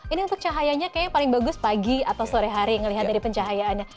ini untuk cahayanya kayaknya paling bagus pagi atau sore hari ngelihat dari pencahayaannya